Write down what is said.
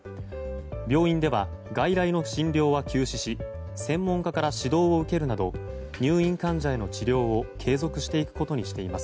病院では外来の診療は休止し専門家から指導を受けるなど入院患者への治療を継続していくことにしています。